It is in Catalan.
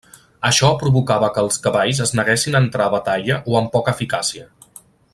Això provocava que els cavalls es neguessin a entrar a batalla o amb poca eficàcia.